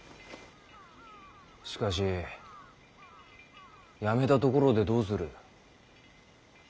しかし辞めたところでどうする？